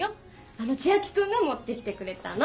あの千秋君が持ってきてくれたの。